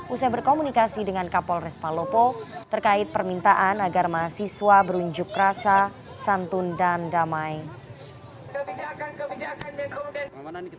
usai berkomunikasi dengan kapolres palopo terkait permintaan agar mahasiswa berunjuk rasa santun dan damai